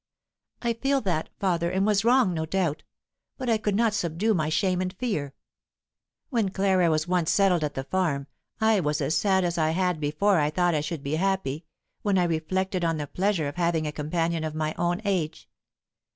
"I feel that, father, and was wrong, no doubt; but I could not subdue my shame and fear. When Clara was once settled at the farm, I was as sad as I had before thought I should be happy, when I reflected on the pleasure of having a companion of my own age.